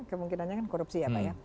kemungkinannya kan korupsi ya pak ya